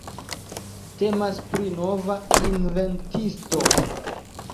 Temas pri nova inventisto.